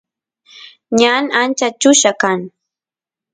ñan ancha chulla kan